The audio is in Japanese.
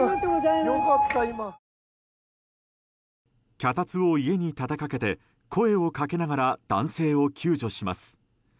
脚立を家に立てかけて声をかけながら男性を救助します。